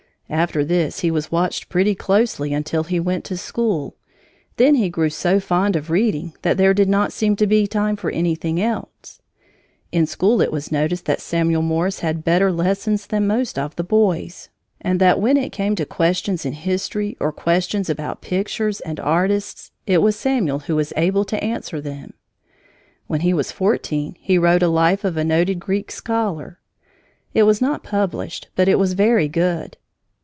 After this he was watched pretty closely until he went to school. Then he grew so fond of reading that there did not seem to be time for anything else. In school it was noticed that Samuel Morse had better lessons than most of the boys, and that when it came to questions in history or questions about pictures and artists, it was Samuel who was able to answer them. When he was fourteen, he wrote a life of a noted Greek scholar. It was not published, but it was very good.